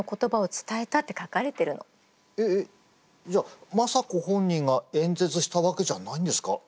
えっえっじゃあ政子本人が演説したわけじゃないんですか？